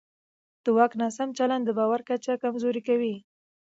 د واک ناسم چلند د باور کچه کمزوری کوي